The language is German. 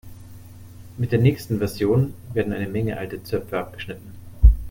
Mit der nächsten Version werden eine Menge alte Zöpfe abgeschnitten.